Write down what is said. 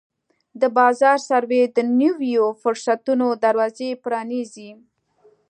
د بازار سروې د نویو فرصتونو دروازې پرانیزي.